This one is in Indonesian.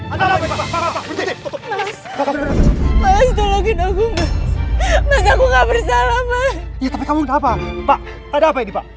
ada apa ini pak berhenti mas tolongin aku mas aku gak bersalah pak iya tapi kamu apa pak ada apa ini pak